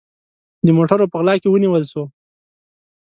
د موټروپه غلا کې ونیول سو